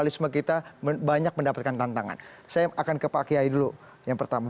saya akan ke pak kiai dulu yang pertama